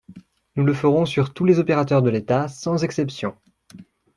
Nous le ferons sur tous les opérateurs de l’État, sans exception.